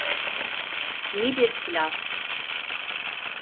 İyi bir plan.